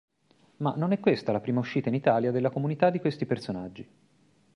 Ma non è questa la prima uscita in Italia della comunità di questi personaggi.